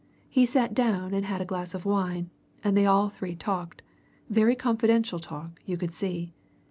He sat down and had a glass of wine, and they all three talked very confidential talk, you could see.